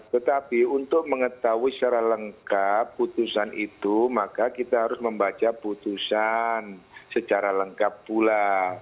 tetapi untuk mengetahui secara lengkap putusan itu maka kita harus membaca putusan secara lengkap pula